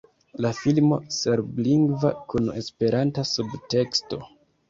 La filmo serblingva kun esperanta subteksto.